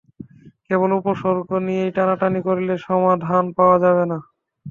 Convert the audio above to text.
কেবল উপসর্গ নিয়ে টানাটানি করলে সমাধান পাওয়া যাবে না।